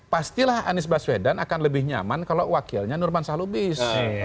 pastilah anies baswedan akan lebih nyaman kalau wakilnya nurman salubis